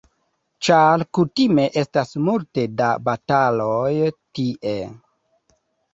Ĉar kutime estas multe da bataloj tie.